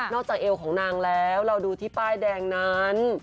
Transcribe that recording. จากเอวของนางแล้วเราดูที่ป้ายแดงนั้น